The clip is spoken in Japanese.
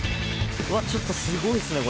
うわちょっとすごいっすね